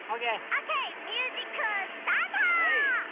オーケーミュージックスタート！